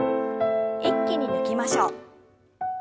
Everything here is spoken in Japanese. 一気に抜きましょう。